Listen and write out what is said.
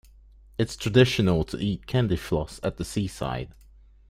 It's traditional to eat candy floss at the seaside